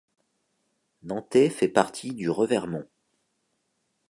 Nantey fait partie du Revermont.